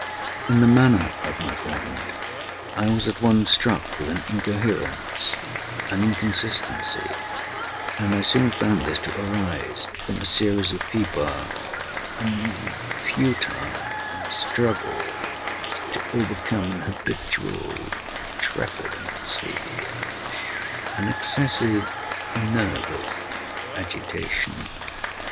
In the manner of my friend I was at once struck with an incoherence—an inconsistency; and I soon found this to arise from a series of feeble and futile struggles to overcome an habitual trepidancy—an excessive nervous agitation.